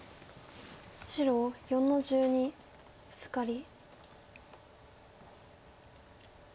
白４の十二ブツカリ。